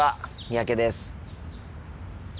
三宅です。